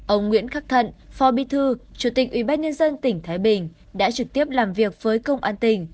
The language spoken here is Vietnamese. ông nguyễn khắc thận phò bí thư chủ tịch ủy ban nhân dân tỉnh thái bình đã trực tiếp làm việc với công an tỉnh